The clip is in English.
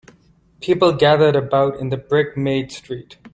People gathered about in the brick made street.